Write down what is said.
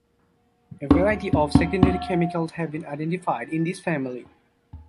A variety of secondary chemicals have been identified in this family.